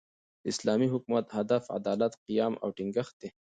د اسلامي حکومت، هدف عدالت، قیام او ټینګښت دئ.